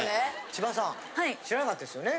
千葉さん知らなかったですよね？